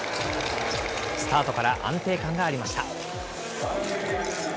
スタートから安定感がありました。